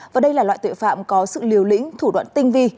và đây là loại tội phạm có sự liều lĩnh thủ đoạn tinh vi